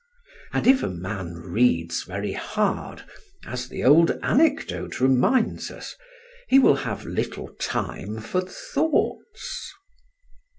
And if a man reads very hard, as the old anecdote reminds us, he will have little time for thoughts.